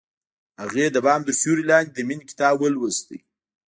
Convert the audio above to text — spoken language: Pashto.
هغې د بام تر سیوري لاندې د مینې کتاب ولوست.